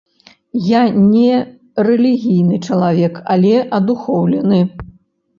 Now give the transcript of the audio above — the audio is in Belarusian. Я не рэлігійны чалавек, але адухоўлены.